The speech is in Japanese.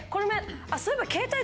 そういえば。